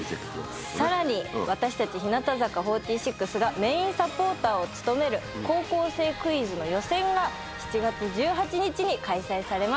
さらに私たち日向坂４６がメインサポーターを務める『高校生クイズ』の予選が７月１８日に開催されます。